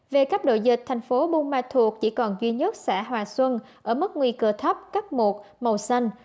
về cấp độ dịch thành phố buôn ma thuột chỉ còn duy nhất xã hòa xuân ở mức nguy cơ thấp cấp một màu xanh